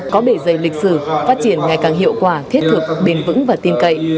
có bể dày lịch sử phát triển ngày càng hiệu quả thiết thực bền vững và tin cậy